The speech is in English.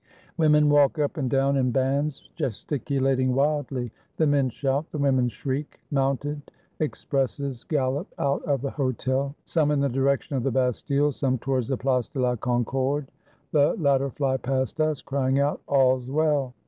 Women walk up and down in bands, gesticulating wildly. The men shout, the women shriek. INIounted expresses gallop out of the Hotel, some in the direction of the Bas tille, some towards the Place de la Concorde. The lat ter fly past us crying out, "All's well!"